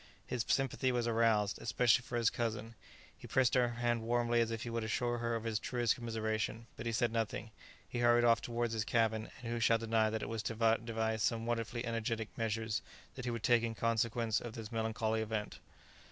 His sympathy was aroused, especially for his cousin; he pressed her hand warmly as if he would assure her of his truest commiseration; but he said nothing; he hurried off towards his cabin; and who shall deny that it was to devise some wonderfully energetic measures that he would take in consequence of this melancholy event?